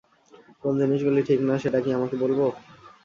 কোন জিনিসগুলি ঠিক না, সেটা কি আমাকে বলবো?